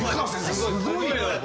すごい。